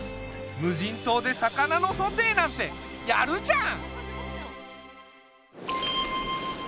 無人島で魚のソテーなんてやるじゃん！